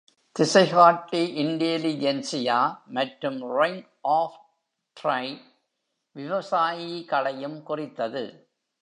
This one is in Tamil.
திசைகாட்டி இண்டேலிஜென்சியா, மற்றும் ரிங் ஆஃப் ரை விவசாயிகளையும் குறித்தது.